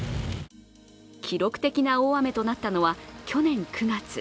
記録的な大雨となったのは、去年９月。